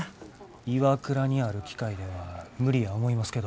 ＩＷＡＫＵＲＡにある機械では無理や思いますけど。